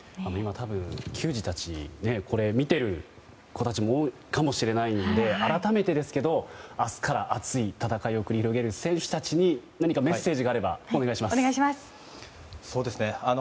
球児たちこれを見てる子たちも多いかもしれないんで改めてですけど明日から熱い戦いを繰り広げる選手たちに何かメッセージがあればお願いします。